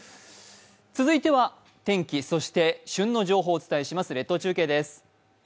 続いては天気そして旬の情報をお伝えします列島中継です。